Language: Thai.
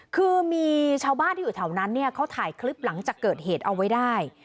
คือมีชาวบ้านที่อยู่แถวนั้นเนี่ยเขาถ่ายคลิปหลังจากเกิดเหตุเอาไว้ได้